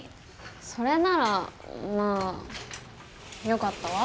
それならまあよかったわ。